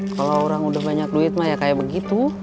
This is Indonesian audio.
kalau orang udah banyak duit mah ya kayak begitu